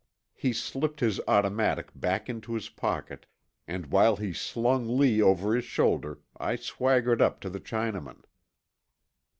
He slipped his automatic back into his pocket, and while he slung Lee over his shoulder, I swaggered up to the Chinaman.